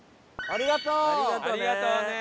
ありがとうね。